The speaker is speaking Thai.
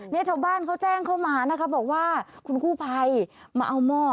ชาวบ้านเขาแจ้งเข้ามานะคะบอกว่าคุณกู้ภัยมาเอาหม้อ